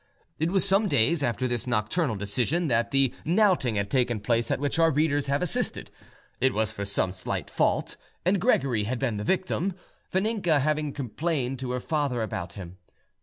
It was some days after this nocturnal decision that the knouting had taken place at which our readers have assisted. It was for some slight fault, and Gregory had been the victim; Vaninka having complained to her father about him.